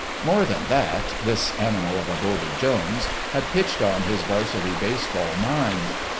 More than that, "This Animal of a Buldy Jones" had pitched on his Varsity baseball nine.